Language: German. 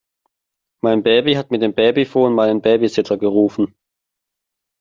Mein Baby hat mit dem Babyphon meinen Babysitter gerufen.